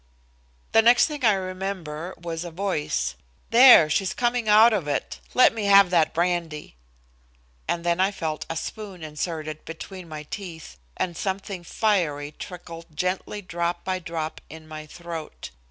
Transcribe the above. The next thing I remember was a voice. "There, she's coming out of it. Let me have that brandy," and then I felt a spoon inserted between my teeth and something fiery trickled gently drop by drop in my throat.